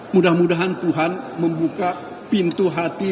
mudah mudahan tuhan membuka pintu hati